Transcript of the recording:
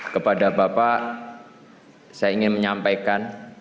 kepada bapak saya ingin menyampaikan